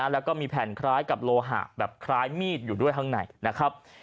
แล้วก็มีแผ่นคล้ายกับโลหะแบบคล้ายมีดอยู่ด้วยข้างในนะครับ